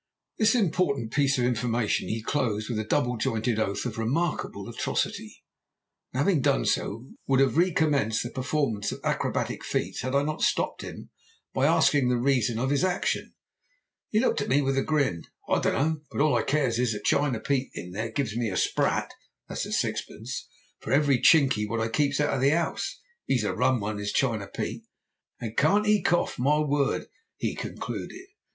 "This important piece of information he closed with a double jointed oath of remarkable atrocity, and, having done so, would have recommenced the performance of acrobatic feats had I not stopped him by asking the reason of his action. He looked at me with a grin, "'I dunno, but all I cares is that China Pete in there gives me a sprat (sixpence) for every Chinkie what I keeps out of the 'ouse. He's a rum one is China Pete; an' can't he cough my word!" he concluded.